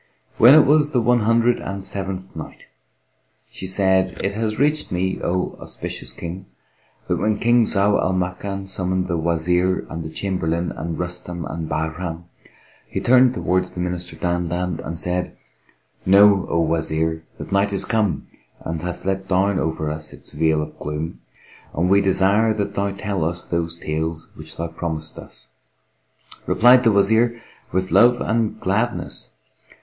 When it was the One Hundred and Seventh Night, She said, It hath reached me, O auspicious King, that when King Zau Al Makan summoned the Wazir and the Chamberlain and Rustam and Bahram, he turned towards the Minister Dandan and said, "Know, O Wazir, that night is come and hath let down over us its veil of gloom, and we desire that thou tell us those tales which thou promisedst us." Replied the Wazir, "With love and gladness!